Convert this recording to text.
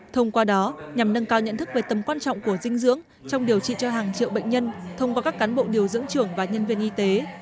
thông qua đó nhằm nâng cao nhận thức về tầm quan trọng của dinh dưỡng trong điều trị cho hàng triệu bệnh nhân thông qua các cán bộ điều dưỡng trưởng và nhân viên y tế